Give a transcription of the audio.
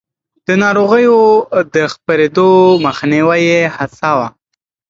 د ناروغيو د خپرېدو مخنيوی يې هڅاوه.